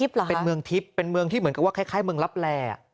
เป็นเมืองทิพย์เป็นเมืองที่เหมือนกับว่าคล้ายเมืองลับแล